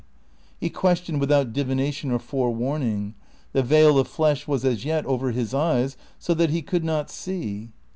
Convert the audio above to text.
He questioned without divination or forewarning. The veil of flesh was as yet over his eyes, so that he could not see.